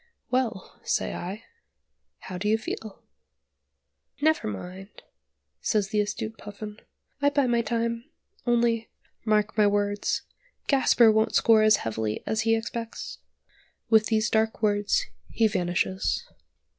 "Well," say I, "how do you feel?" "Never mind," says the astute Puffin; "I bide my time! Only (mark my words), Gasper won't score as heavily as he expects." With these dark words he vanishes.